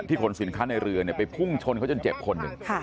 ขนสินค้าในเรือไปพุ่งชนเขาจนเจ็บคนหนึ่ง